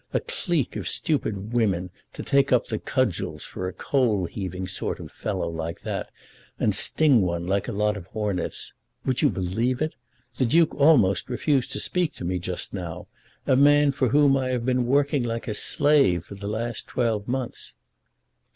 A clique of stupid women to take up the cudgels for a coal heaving sort of fellow like that, and sting one like a lot of hornets! Would you believe it? the Duke almost refused to speak to me just now a man for whom I have been working like a slave for the last twelve months!"